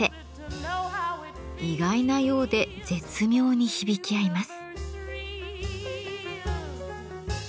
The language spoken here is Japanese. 意外なようで絶妙に響き合います。